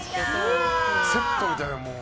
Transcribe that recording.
セットみたいだもん。